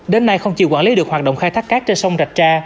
đến nay không chỉ quản lý được hoạt động khai thác cát trên sông rạch tra